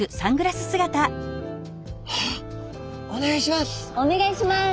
あっお願いします。